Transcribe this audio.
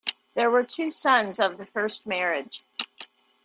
There were two sons of the first marriage.